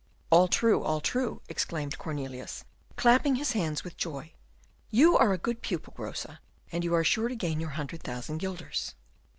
"All true, all true," exclaimed Cornelius, clapping his hands with joy, "you are a good pupil, Rosa, and you are sure to gain your hundred thousand guilders."